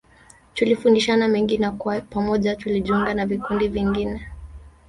Tulifundishana mengi na kwa pamoja, tulijiunga na vikundi vyingine.